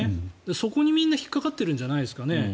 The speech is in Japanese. そこにみんな引っかかってるんじゃないですかね。